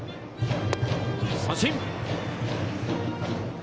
三振！